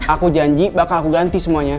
aku janji bakal aku ganti semuanya